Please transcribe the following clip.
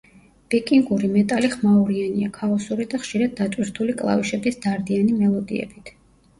ვიკინგური მეტალი „ხმაურიანია, ქაოსური და ხშირად დატვირთული კლავიშების დარდიანი მელოდიებით“.